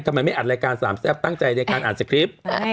ทำไมไม่อัดรายการสามแซ่บตั้งใจในการอ่านสคริปต์